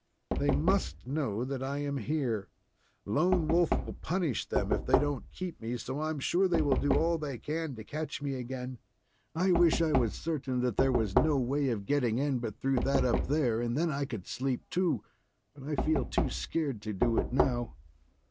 "They must know that I am here. Lone Wolf will punish them if they don't keep me, so I am sure they will do all they can to catch me again. I wish I was certain that there was no way of getting in but through that up there, and then I could sleep too, but I feel too scared to do it now."